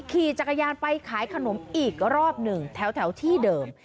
ขี่จักรยานไปขายขนมอีกรอบหนึ่งแถวที่เดิม